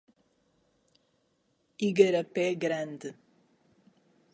Igarapé Grande